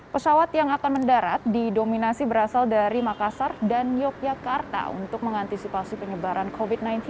pesawat yang akan mendarat didominasi berasal dari makassar dan yogyakarta untuk mengantisipasi penyebaran covid sembilan belas